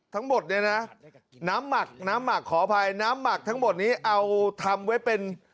ทั้งหมดเนี่ยนะน้ำหมักน้ำหมักขออภัยน้ำหมักทั้งหมดนี้เอาทำไว้เป็น